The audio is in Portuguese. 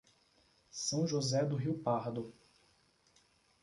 São José do Rio Pardo